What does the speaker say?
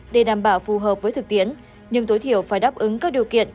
để đảm bảo phù hợp với thực tiễn nhưng tối thiểu phải đáp ứng các điều kiện